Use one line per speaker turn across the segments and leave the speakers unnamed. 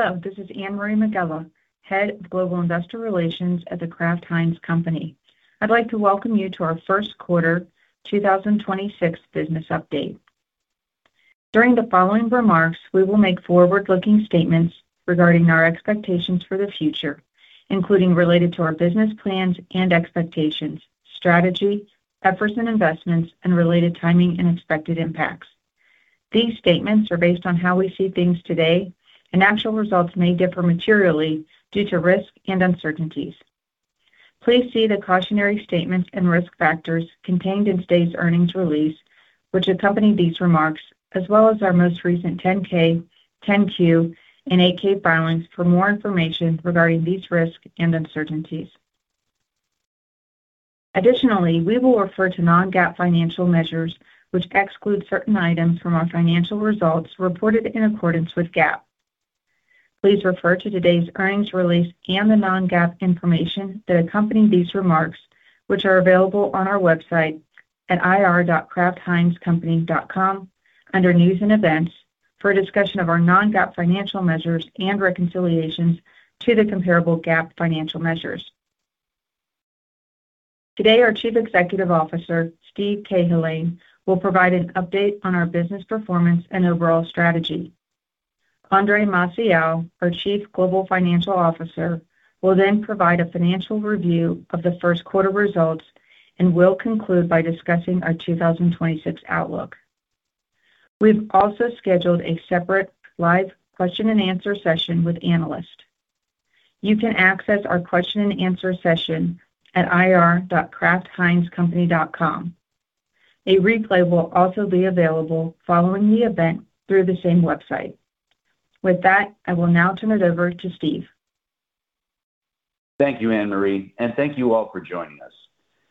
Hello, this is Anne-Marie Megela, Head of Global Investor Relations at The Kraft Heinz Company. I'd like to welcome you to our first quarter 2026 business update. During the following remarks, we will make forward-looking statements regarding our expectations for the future, including related to our business plans and expectations, strategy, efforts and investments, and related timing and expected impacts. These statements are based on how we see things today, and actual results may differ materially due to risk and uncertainties. Please see the cautionary statements and risk factors contained in today's earnings release which accompany these remarks, as well as our most recent 10-K, 10-Q, and 8-K filings for more information regarding these risks and uncertainties. Additionally, we will refer to non-GAAP financial measures which exclude certain items from our financial results reported in accordance with GAAP. Please refer to today's earnings release and the non-GAAP information that accompany these remarks, which are available on our website at ir.kraftheinzcompany.com under News & Events for a discussion of our non-GAAP financial measures and reconciliations to the comparable GAAP financial measures. Today, our Chief Executive Officer, Steve Cahillane, will provide an update on our business performance and overall strategy. Andre Maciel, our Chief Global Financial Officer, will provide a financial review of the first quarter results and will conclude by discussing our 2026 outlook. We've also scheduled a separate live Q&A session with analysts. You can access our Q&A session at ir.kraftheinzcompany.com. A replay will also be available following the event through the same website. With that, I will now turn it over to Steve.
Thank you, Anne-Marie, and thank you all for joining us.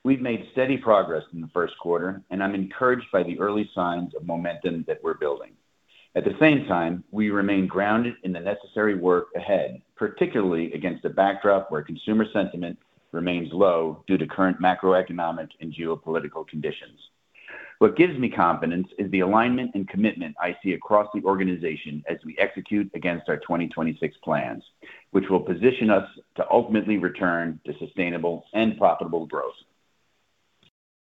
We've made steady progress in the first quarter, and I'm encouraged by the early signs of momentum that we're building. At the same time, we remain grounded in the necessary work ahead, particularly against the backdrop where consumer sentiment remains low due to current macroeconomic and geopolitical conditions. What gives me confidence is the alignment and commitment I see across the organization as we execute against our 2026 plans, which will position us to ultimately return to sustainable and profitable growth.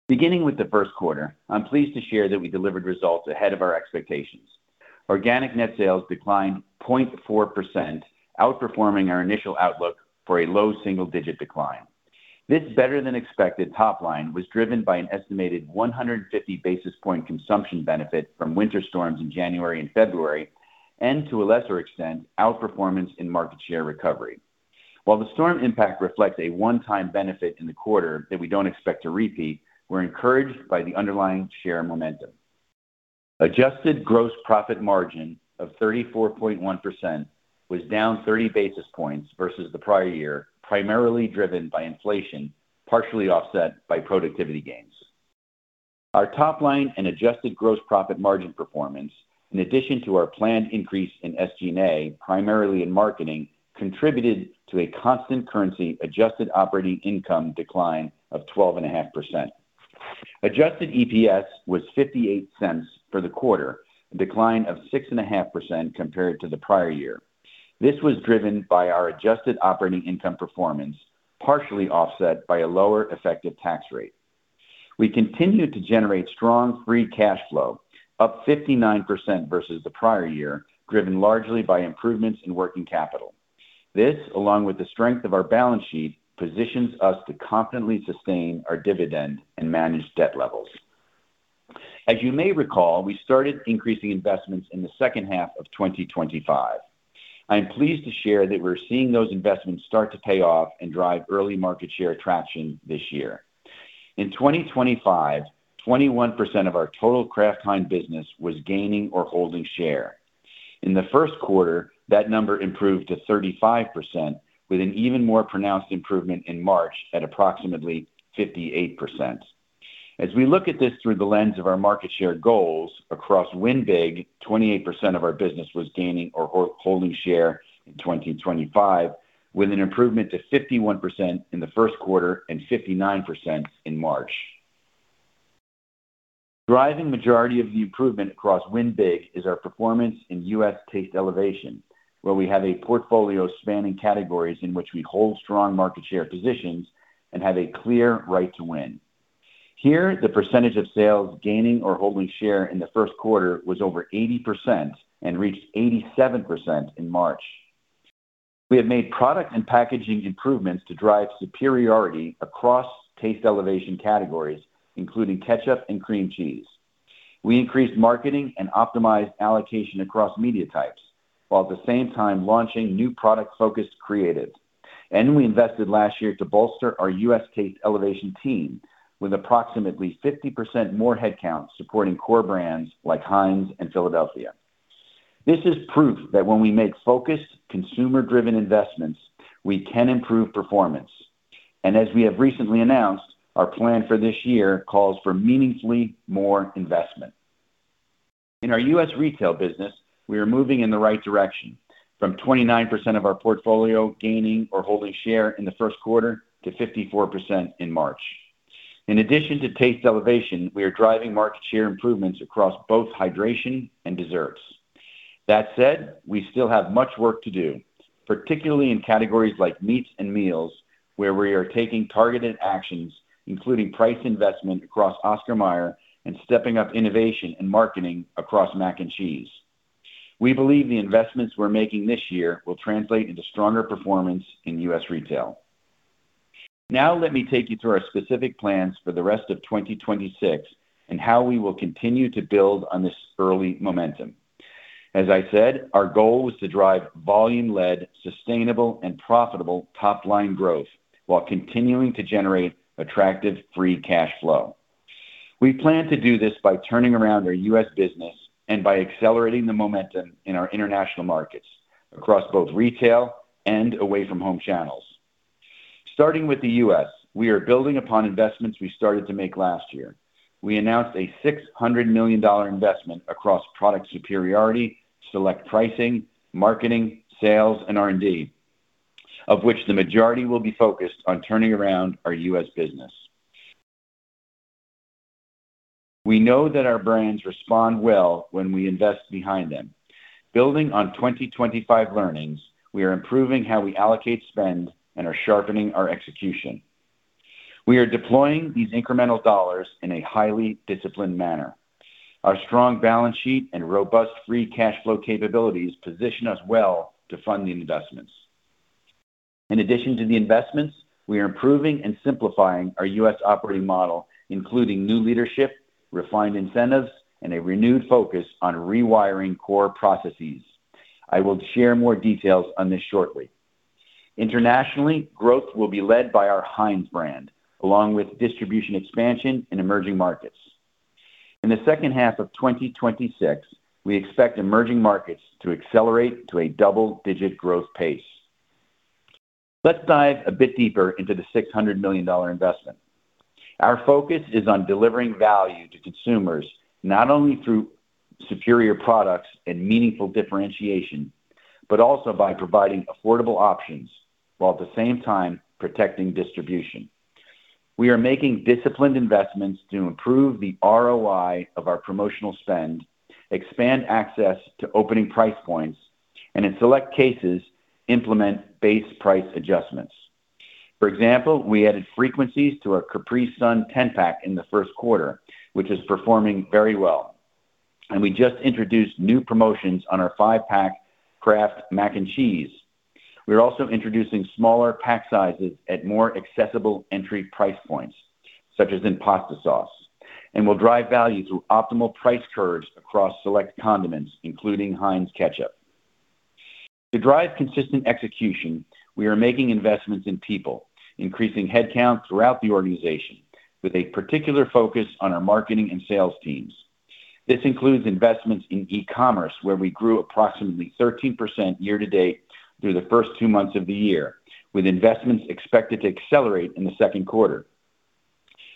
Beginning with the first quarter, I'm pleased to share that we delivered results ahead of our expectations. Organic net sales declined 0.4%, outperforming our initial outlook for a low single-digit decline. This better-than-expected top line was driven by an estimated 150 basis points consumption benefit from winter storms in January and February, and to a lesser extent, outperformance in market share recovery. While the storm impact reflects a one-time benefit in the quarter that we don't expect to repeat, we're encouraged by the underlying share momentum. Adjusted gross profit margin of 34.1% was down 30 basis points versus the prior year, primarily driven by inflation, partially offset by productivity gains. Our top line and adjusted gross profit margin performance, in addition to our planned increase in SG&A, primarily in marketing, contributed to a constant currency adjusted operating income decline of 12.5%. Adjusted EPS was $0.58 for the quarter, a decline of 6.5% compared to the prior year. This was driven by our adjusted operating income performance, partially offset by a lower effective tax rate. We continued to generate strong free cash flow, up 59% versus the prior year, driven largely by improvements in working capital. This, along with the strength of our balance sheet, positions us to confidently sustain our dividend and manage debt levels. As you may recall, we started increasing investments in the second half of 2025. I am pleased to share that we're seeing those investments start to pay off and drive early market share traction this year. In 2025, 21% of our total Kraft Heinz business was gaining or holding share. In the first quarter, that number improved to 35% with an even more pronounced improvement in March at approximately 58%. As we look at this through the lens of our market share goals across Win Big, 28% of our business was gaining or holding share in 2025, with an improvement to 51% in the first quarter and 59% in March. Driving majority of the improvement across Win Big is our performance in U.S. taste elevation, where we have a portfolio spanning categories in which we hold strong market share positions and have a clear right to win. Here, the percentage of sales gaining or holding share in the first quarter was over 80% and reached 87% in March. We have made product and packaging improvements to drive superiority across taste elevation categories, including ketchup and cream cheese. We increased marketing and optimized allocation across media types, while at the same time launching new product-focused creative. We invested last year to bolster our U.S. taste elevation team with approximately 50% more headcounts supporting core brands like Heinz and Philadelphia. This is proof that when we make focused, consumer-driven investments, we can improve performance. As we have recently announced, our plan for this year calls for meaningfully more investment. In our U.S. retail business, we are moving in the right direction from 29% of our portfolio gaining or holding share in the first quarter to 54% in March. In addition to taste elevation, we are driving market share improvements across both hydration and desserts. That said, we still have much work to do, particularly in categories like meats and meals, where we are taking targeted actions, including price investment across Oscar Mayer and stepping up innovation and marketing across Mac and Cheese. We believe the investments we're making this year will translate into stronger performance in U.S. retail. Let me take you through our specific plans for the rest of 2026 and how we will continue to build on this early momentum. As I said, our goal was to drive volume-led, sustainable, and profitable top-line growth while continuing to generate attractive free cash flow. We plan to do this by turning around our U.S. business and by accelerating the momentum in our international markets across both retail and away from home channels. Starting with the U.S., we are building upon investments we started to make last year. We announced a $600 million investment across product superiority, select pricing, marketing, sales, and R&D, of which the majority will be focused on turning around our U.S. business. We know that our brands respond well when we invest behind them. Building on 2025 learnings, we are improving how we allocate spend and are sharpening our execution. We are deploying these incremental dollars in a highly disciplined manner. Our strong balance sheet and robust free cash flow capabilities position us well to fund the investments. In addition to the investments, we are improving and simplifying our U.S. operating model, including new leadership, refined incentives, and a renewed focus on rewiring core processes. I will share more details on this shortly. Internationally, growth will be led by our Heinz brand, along with distribution expansion in emerging markets. In the second half of 2026, we expect emerging markets to accelerate to a double-digit growth pace. Let's dive a bit deeper into the $600 million investment. Our focus is on delivering value to consumers, not only through superior products and meaningful differentiation, but also by providing affordable options while at the same time protecting distribution. We are making disciplined investments to improve the ROI of our promotional spend, expand access to opening price points, and in select cases, implement base price adjustments. For example, we added frequencies to our Capri Sun 10-pack in the first quarter, which is performing very well. We just introduced new promotions on our 5-pack Kraft Mac & Cheese. We're also introducing smaller pack sizes at more accessible entry price points, such as in pasta sauce, and will drive value through optimal price curves across select condiments, including Heinz Ketchup. To drive consistent execution, we are making investments in people, increasing headcount throughout the organization with a particular focus on our marketing and sales teams. This includes investments in e-commerce, where we grew approximately 13% year to date through the first two months of the year, with investments expected to accelerate in the second quarter.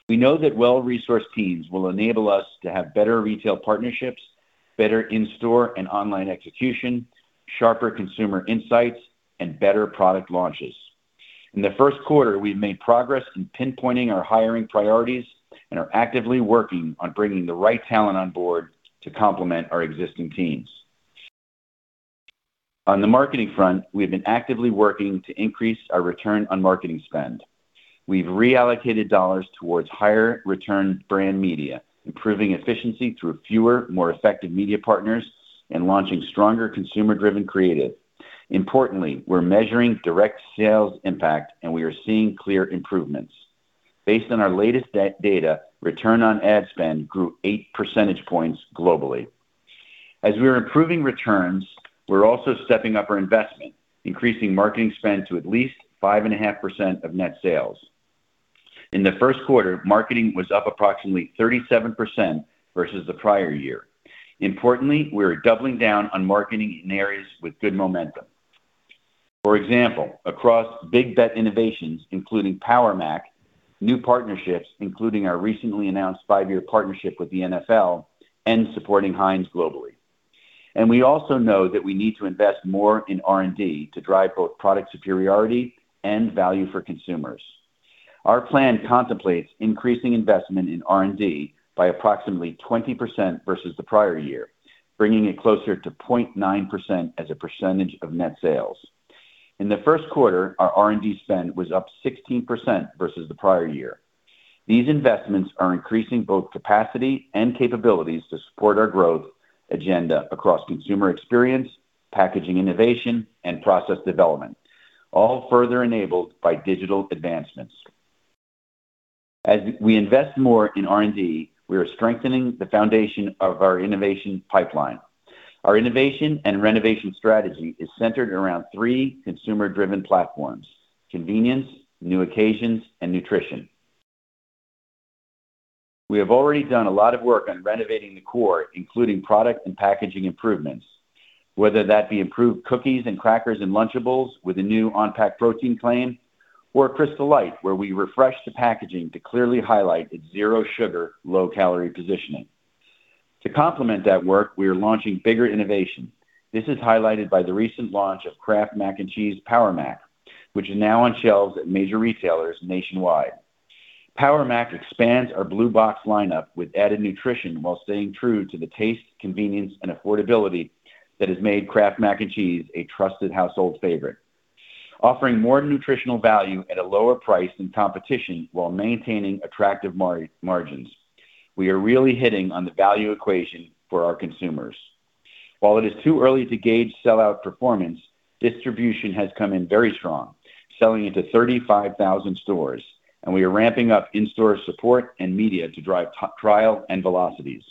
We know that well-resourced teams will enable us to have better retail partnerships, better in-store and online execution, sharper consumer insights, and better product launches. In the first quarter, we've made progress in pinpointing our hiring priorities and are actively working on bringing the right talent on board to complement our existing teams. On the marketing front, we have been actively working to increase our return on marketing spend. We've reallocated dollars towards higher return brand media, improving efficiency through fewer, more effective media partners, and launching stronger consumer-driven creative. Importantly, we're measuring direct sales impact, and we are seeing clear improvements. Based on our latest data, return on ad spend grew 8 percentage points globally. As we are improving returns, we're also stepping up our investment, increasing marketing spend to at least 5.5% of net sales. In the first quarter, marketing was up approximately 37% versus the prior year. Importantly, we are doubling down on marketing in areas with good momentum. For example, across big bet innovations, including PowerMac, new partnerships, including our recently announced five-year partnership with the NFL, and supporting Heinz globally. We also know that we need to invest more in R&D to drive both product superiority and value for consumers. Our plan contemplates increasing investment in R&D by approximately 20% versus the prior year, bringing it closer to 0.9% as a percentage of net sales. In the first quarter, our R&D spend was up 16% versus the prior year. These investments are increasing both capacity and capabilities to support our growth agenda across consumer experience, packaging innovation, and process development, all further enabled by digital advancements. As we invest more in R&D, we are strengthening the foundation of our innovation pipeline. Our innovation and renovation strategy is centered around three consumer-driven platforms, convenience, new occasions, and nutrition. We have already done a lot of work on renovating the core, including product and packaging improvements, whether that be improved cookies and crackers in Lunchables with a new on-pack protein claim or Crystal Light, where we refreshed the packaging to clearly highlight its zero sugar, low-calorie positioning. To complement that work, we are launching bigger innovation. This is highlighted by the recent launch of Kraft Mac and Cheese Power Mac, which is now on shelves at major retailers nationwide. PowerMac expands our blue box lineup with added nutrition while staying true to the taste, convenience, and affordability that has made Kraft Mac & Cheese a trusted household favorite, offering more nutritional value at a lower price than competition while maintaining attractive margins. We are really hitting on the value equation for our consumers. While it is too early to gauge sell-out performance, distribution has come in very strong, selling into 35,000 stores, and we are ramping up in-store support and media to drive trial and velocities.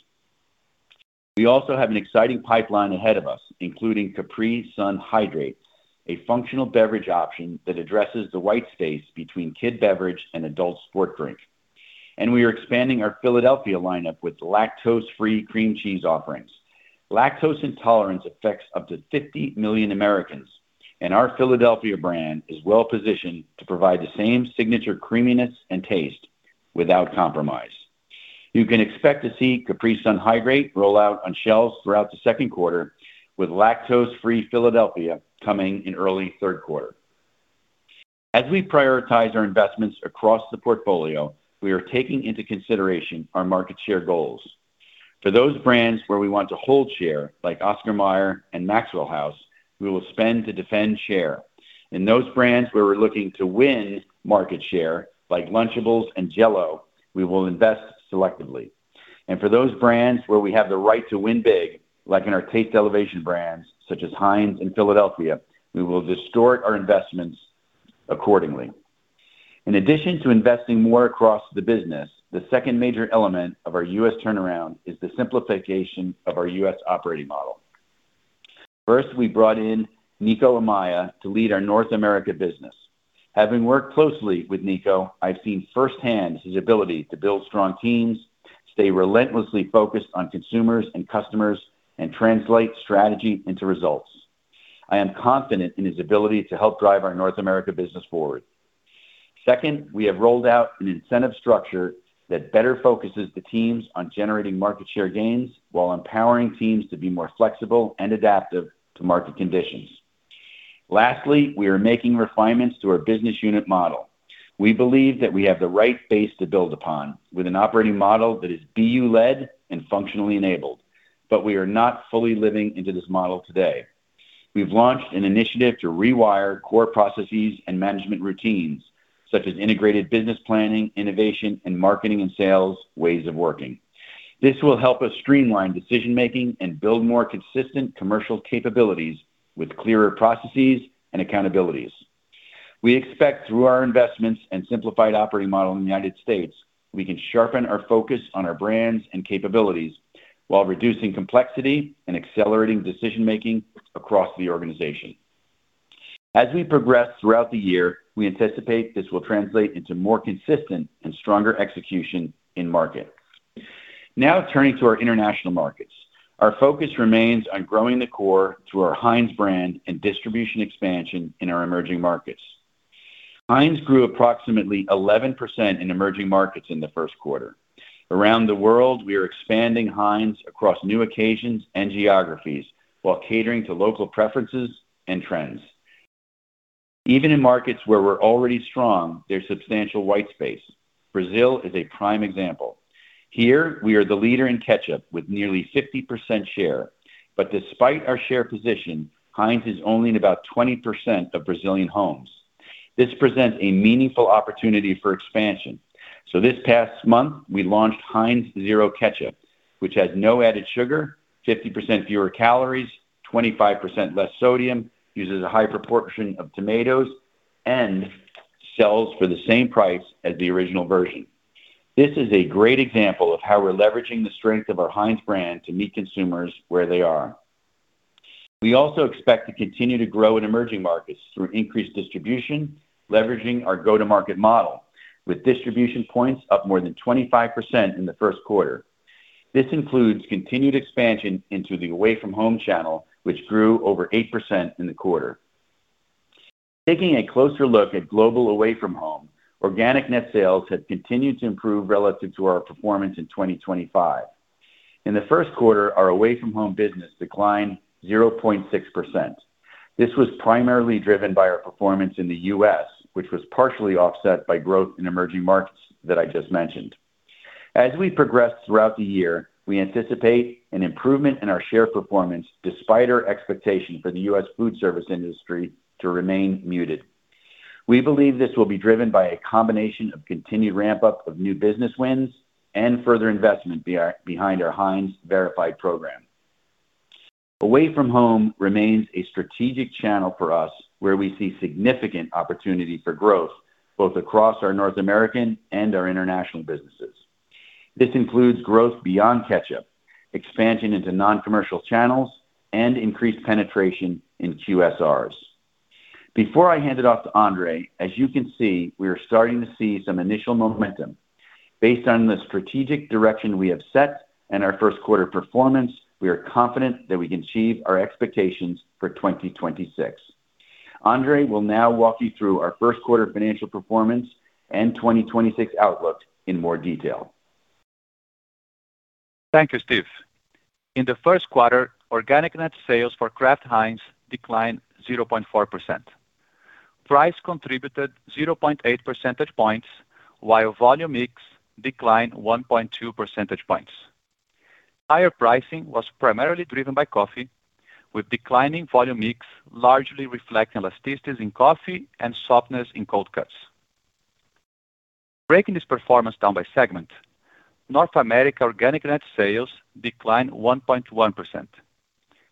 We also have an exciting pipeline ahead of us, including Capri Sun Hydrate, a functional beverage option that addresses the white space between kid beverage and adult sport drink. We are expanding our Philadelphia lineup with lactose-free cream cheese offerings. Lactose intolerance affects up to 50 million Americans, and our Philadelphia brand is well-positioned to provide the same signature creaminess and taste without compromise. You can expect to see Capri Sun Hydrate roll out on shelves throughout the second quarter, with lactose-free Philadelphia coming in early third quarter. As we prioritize our investments across the portfolio, we are taking into consideration our market share goals. For those brands where we want to hold share, like Oscar Mayer and Maxwell House, we will spend to defend share. In those brands where we're looking to win market share, like Lunchables and Jell-O, we will invest selectively. For those brands where we have the right to Win Big, like in our taste elevation brands, such as Heinz and Philadelphia, we will distort our investments accordingly. In addition to investing more across the business, the second major element of our U.S. turnaround is the simplification of our U.S. operating model. First, we brought in Pedro Pizarro to lead our North America business. Having worked closely with Pedro, I've seen firsthand his ability to build strong teams, stay relentlessly focused on consumers and customers, and translate strategy into results. I am confident in his ability to help drive our North America business forward. Second, we have rolled out an incentive structure that better focuses the teams on generating market share gains while empowering teams to be more flexible and adaptive to market conditions. Lastly, we are making refinements to our business unit model. We believe that we have the right base to build upon with an operating model that is BU-led and functionally enabled, but we are not fully living into this model today. We've launched an initiative to rewire core processes and management routines, such as integrated business planning, innovation, and marketing and sales ways of working. This will help us streamline decision-making and build more consistent commercial capabilities with clearer processes and accountabilities. We expect through our investments and simplified operating model in the United States, we can sharpen our focus on our brands and capabilities while reducing complexity and accelerating decision-making across the organization. As we progress throughout the year, we anticipate this will translate into more consistent and stronger execution in market. Turning to our international markets. Our focus remains on growing the core through our Heinz brand and distribution expansion in our emerging markets. Heinz grew approximately 11% in emerging markets in the first quarter. Around the world, we are expanding Heinz across new occasions and geographies while catering to local preferences and trends. Even in markets where we're already strong, there's substantial white space. Brazil is a prime example. Here, we are the leader in Ketchup with nearly 50% share. Despite our share position, Heinz is only in about 20% of Brazilian homes. This presents a meaningful opportunity for expansion. This past month, we launched Heinz Tomato Ketchup Zero, which has no added sugar, 50% fewer calories, 25% less sodium, uses a high proportion of tomatoes, and sells for the same price as the original version. This is a great example of how we're leveraging the strength of our Heinz brand to meet consumers where they are. We also expect to continue to grow in emerging markets through increased distribution, leveraging our go-to-market model, with distribution points up more than 25% in the first quarter. This includes continued expansion into the away-from-home channel, which grew over 8% in the quarter. Taking a closer look at global away from home, organic net sales have continued to improve relative to our performance in 2025. In the first quarter, our away-from-home business declined 0.6%. This was primarily driven by our performance in the U.S., which was partially offset by growth in emerging markets that I just mentioned. As we progress throughout the year, we anticipate an improvement in our share performance despite our expectation for the U.S. food service industry to remain muted. We believe this will be driven by a combination of continued ramp-up of new business wins and further investment behind our Heinz Verified program. Away from home remains a strategic channel for us where we see significant opportunity for growth both across our North American and our international businesses. This includes growth beyond ketchup, expansion into non-commercial channels, and increased penetration in QSRs. Before I hand it off to Andre, as you can see, we are starting to see some initial momentum. Based on the strategic direction we have set and our first quarter performance, we are confident that we can achieve our expectations for 2026. Andre will now walk you through our first quarter financial performance and 2026 outlook in more detail.
Thank you, Steve. In the first quarter, organic net sales for Kraft Heinz declined 0.4%. Price contributed 0.8 percentage points, while volume mix declined 1.2 percentage points. Higher pricing was primarily driven by coffee, with declining volume mix largely reflecting elasticities in coffee and softness in cold cuts. Breaking this performance down by segment, North America organic net sales declined 1.1%.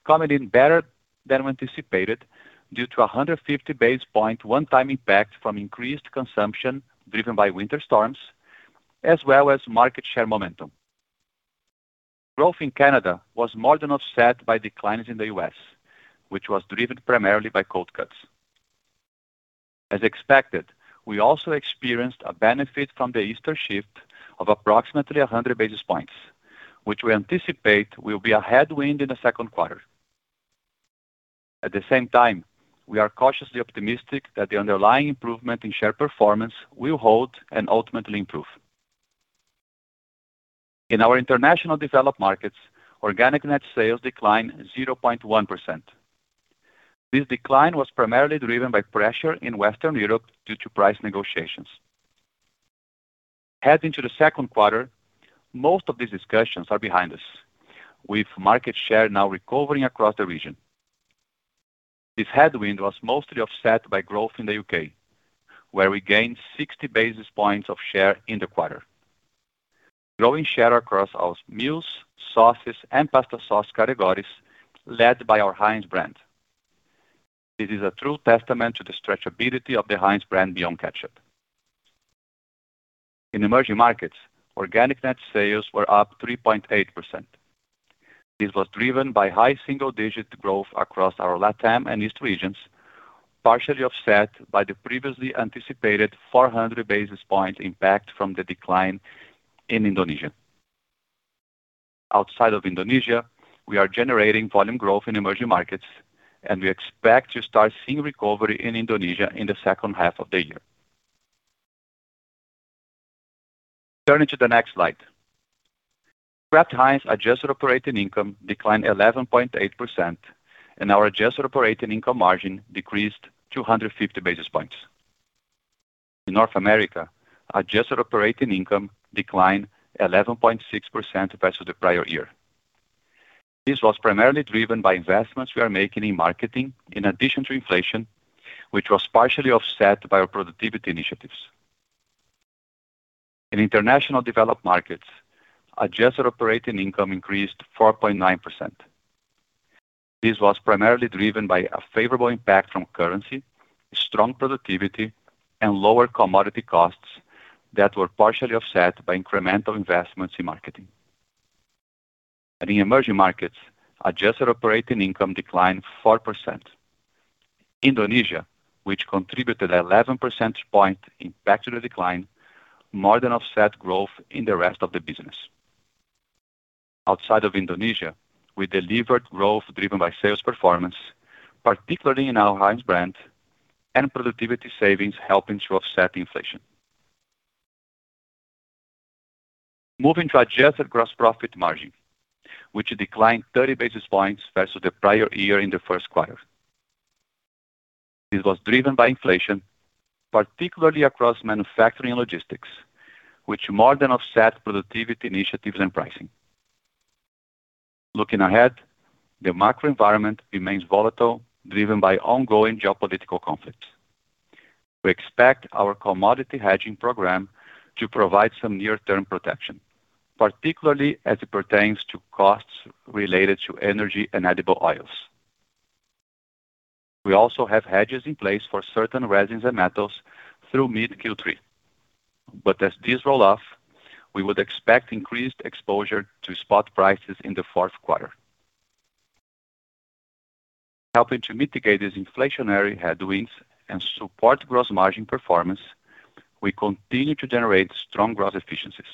Coming in better than we anticipated due to a 150 basis point one-time impact from increased consumption driven by winter storms, as well as market share momentum. Growth in Canada was more than offset by declines in the U.S., which was driven primarily by cold cuts. As expected, we also experienced a benefit from the Easter shift of approximately a 100 basis points, which we anticipate will be a headwind in the second quarter. At the same time, we are cautiously optimistic that the underlying improvement in share performance will hold and ultimately improve. In our international developed markets, organic net sales declined 0.1%. This decline was primarily driven by pressure in Western Europe due to price negotiations. Heading to the second quarter, most of these discussions are behind us, with market share now recovering across the region. This headwind was mostly offset by growth in the U.K., where we gained 60 basis points of share in the quarter. Growing share across our meals, sauces, and pasta sauce categories led by our Heinz brand. This is a true testament to the stretchability of the Heinz brand beyond ketchup. In emerging markets, organic net sales were up 3.8%. This was driven by high single-digit growth across our LATAM and East regions, partially offset by the previously anticipated 400 basis point impact from the decline in Indonesia. Outside of Indonesia, we are generating volume growth in emerging markets, we expect to start seeing recovery in Indonesia in the second half of the year. Turning to the next slide. Kraft Heinz adjusted operating income declined 11.8%, Our adjusted operating income margin decreased 250 basis points. In North America, adjusted operating income declined 11.6% versus the prior year. This was primarily driven by investments we are making in marketing in addition to inflation, which was partially offset by our productivity initiatives. In international developed markets, adjusted operating income increased 4.9%. This was primarily driven by a favorable impact from currency, strong productivity, and lower commodity costs that were partially offset by incremental investments in marketing. In emerging markets, adjusted operating income declined 4%. Indonesia, which contributed 11 percent point impact to the decline, more than offset growth in the rest of the business. Outside of Indonesia, we delivered growth driven by sales performance, particularly in our Heinz brand and productivity savings helping to offset inflation. Moving to adjusted gross profit margin, which declined 30 basis points versus the prior year in the first quarter. This was driven by inflation, particularly across manufacturing and logistics, which more than offset productivity initiatives and pricing. Looking ahead, the macro environment remains volatile, driven by ongoing geopolitical conflicts. We expect our commodity hedging program to provide some near-term protection, particularly as it pertains to costs related to energy and edible oils. We also have hedges in place for certain resins and metals through mid Q3. As these roll off, we would expect increased exposure to spot prices in the fourth quarter. Helping to mitigate these inflationary headwinds and support gross margin performance, we continue to generate strong gross efficiencies.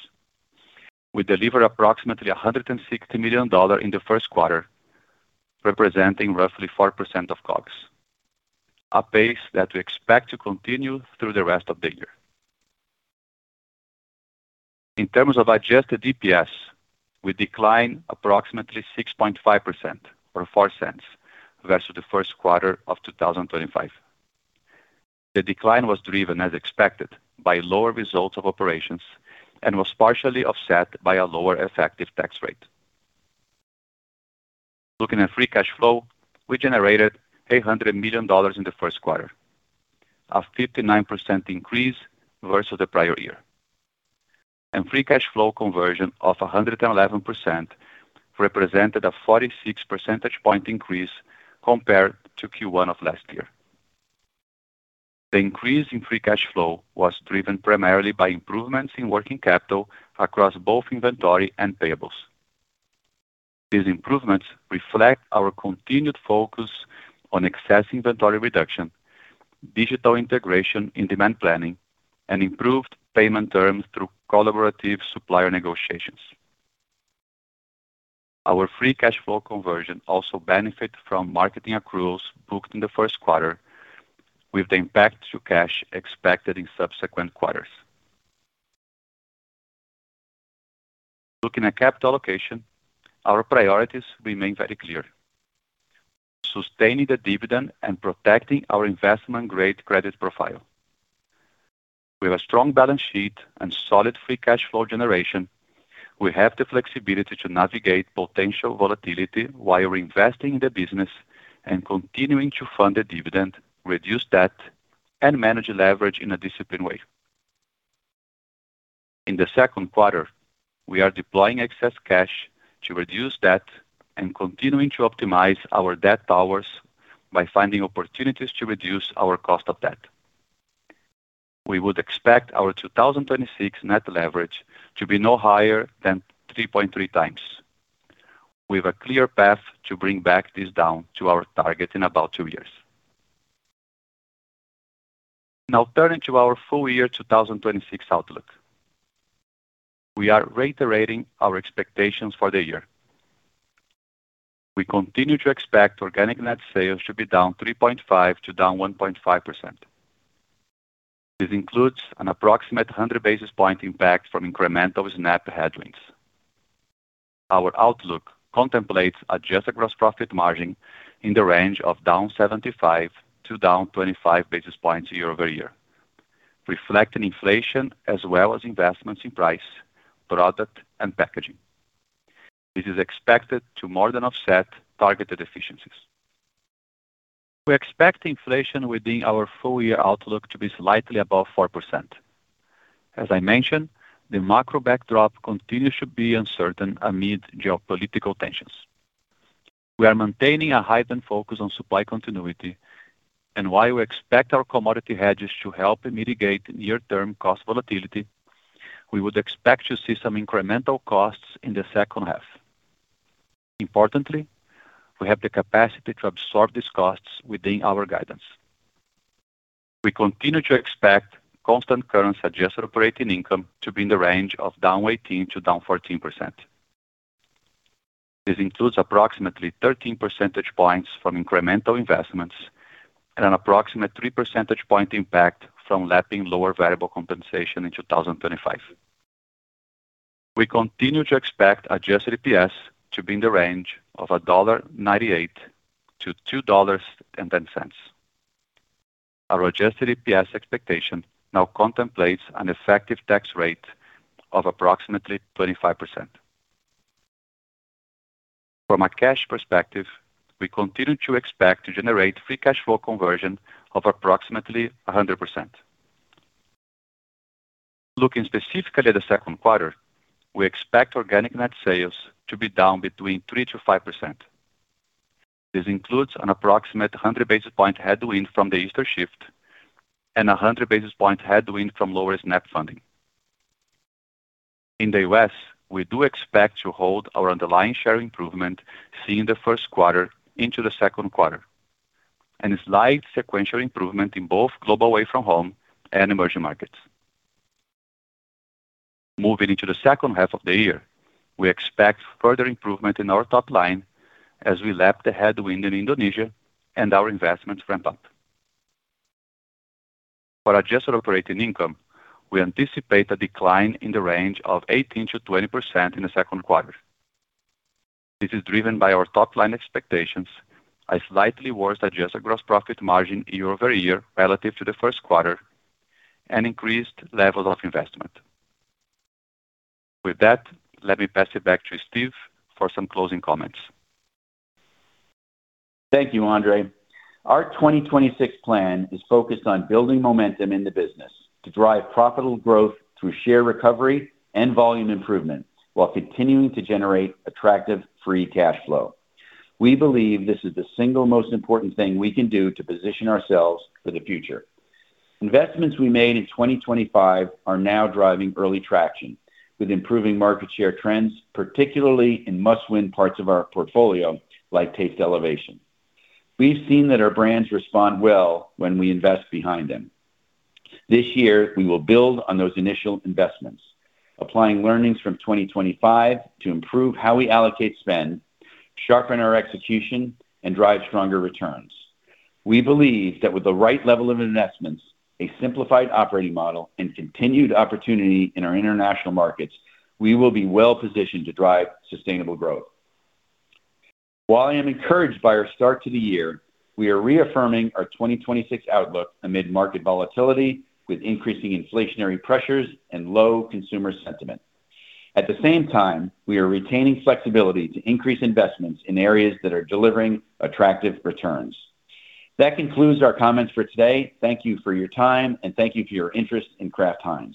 We delivered approximately $160 million in the first quarter, representing roughly 4% of COGS, a pace that we expect to continue through the rest of the year. In terms of adjusted EPS, we declined approximately 6.5% or $0.04 versus the first quarter of 2025. The decline was driven as expected by lower results of operations and was partially offset by a lower effective tax rate. Looking at free cash flow, we generated $800 million in the first quarter, a 59% increase versus the prior year. Free cash flow conversion of 111% represented a 46 percentage point increase compared to Q1 of last year. The increase in free cash flow was driven primarily by improvements in working capital across both inventory and payables. These improvements reflect our continued focus on excess inventory reduction, digital integration in demand planning, and improved payment terms through collaborative supplier negotiations. Our free cash flow conversion also benefit from marketing accruals booked in the first quarter with the impact to cash expected in subsequent quarters. Looking at capital allocation, our priorities remain very clear: sustaining the dividend and protecting our investment-grade credit profile. With a strong balance sheet and solid free cash flow generation, we have the flexibility to navigate potential volatility while reinvesting the business and continuing to fund the dividend, reduce debt, and manage leverage in a disciplined way. In the second quarter, we are deploying excess cash to reduce debt and continuing to optimize our debt towers by finding opportunities to reduce our cost of debt. We would expect our 2026 net leverage to be no higher than 3.3 times. We have a clear path to bring back this down to our target in about two years. Turning to our full year 2026 outlook. We are reiterating our expectations for the year. We continue to expect organic net sales to be down 3.5% to down 1.5%. This includes an approximate 100 basis point impact from incremental SNAP headwinds. Our outlook contemplates adjusted gross profit margin in the range of down 75 basis points to down 25 basis points year-over-year, reflecting inflation as well as investments in price, product, and packaging. This is expected to more than offset targeted efficiencies. We expect inflation within our full year outlook to be slightly above 4%. As I mentioned, the macro backdrop continues to be uncertain amid geopolitical tensions. We are maintaining a heightened focus on supply continuity, and while we expect our commodity hedges to help mitigate near-term cost volatility, we would expect to see some incremental costs in the second half. Importantly, we have the capacity to absorb these costs within our guidance. We continue to expect constant currency adjusted operating income to be in the range of down 18% to down 14%. This includes approximately 13 percentage points from incremental investments and an approximate 3 percentage point impact from lapping lower variable compensation in 2025. We continue to expect adjusted EPS to be in the range of $1.98-$2.10. Our adjusted EPS expectation now contemplates an effective tax rate of approximately 25%. From a cash perspective, we continue to expect to generate free cash flow conversion of approximately 100%. Looking specifically at the second quarter, we expect organic net sales to be down between 3%-5%. This includes an approximate 100 basis point headwind from the Easter shift and a 100 basis point headwind from lower SNAP funding. In the U.S., we do expect to hold our underlying share improvement seen in the first quarter into the second quarter, and a slight sequential improvement in both global away-from-home and emerging markets. Moving into the second half of the year, we expect further improvement in our top line as we lap the headwind in Indonesia and our investments ramp up. For adjusted operating income, we anticipate a decline in the range of 18%-20% in the second quarter. This is driven by our top-line expectations, a slightly worse adjusted gross profit margin year-over-year relative to the first quarter, and increased levels of investment. With that, let me pass it back to Steve Cahillane for some closing comments.
Thank you, Andre. Our 2026 plan is focused on building momentum in the business to drive profitable growth through share recovery and volume improvement while continuing to generate attractive free cash flow. We believe this is the single most important thing we can do to position ourselves for the future. Investments we made in 2025 are now driving early traction with improving market share trends, particularly in must-win parts of our portfolio like taste elevation. We've seen that our brands respond well when we invest behind them. This year, we will build on those initial investments, applying learnings from 2025 to improve how we allocate spend, sharpen our execution, and drive stronger returns. We believe that with the right level of investments, a simplified operating model, and continued opportunity in our international markets, we will be well-positioned to drive sustainable growth. While I am encouraged by our start to the year, we are reaffirming our 2026 outlook amid market volatility with increasing inflationary pressures and low consumer sentiment. At the same time, we are retaining flexibility to increase investments in areas that are delivering attractive returns. That concludes our comments for today. Thank you for your time, and thank you for your interest in Kraft Heinz.